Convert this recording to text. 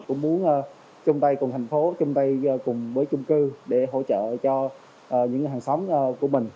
cũng muốn chung tay cùng thành phố chung tay cùng với chung cư để hỗ trợ cho những hàng xóm của mình